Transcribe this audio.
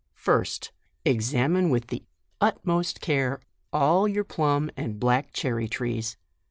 First, examine with the utmost care all your plum and black cherry trees.